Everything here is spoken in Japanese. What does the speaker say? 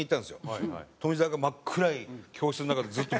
富澤が真っ暗い教室の中でずっと。